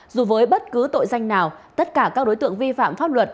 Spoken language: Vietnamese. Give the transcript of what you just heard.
dù với bất cứ tội danh nào tất cả các đối tượng vi phạm pháp luật